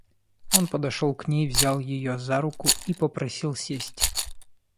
Он подошел к ней, взял ее за руку и попросил сесть.